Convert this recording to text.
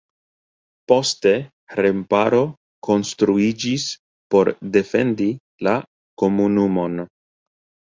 Poste remparo konstruiĝis por defendi la komunumon.